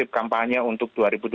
kampanye untuk dua ribu dua puluh